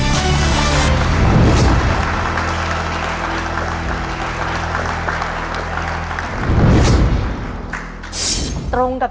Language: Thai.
ขอเชิญคุณนิวมาต่อชีวิตเป็นคนต่อไปครับ